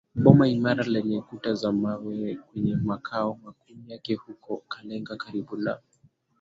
boma imara lenye kuta za mawe kwenye makao makuu yake huko Kalenga karibu na